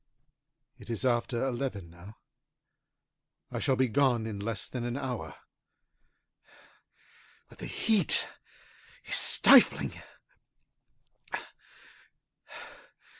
It is after eleven now. I shall be gone in less than an hour. But the heat is stifling.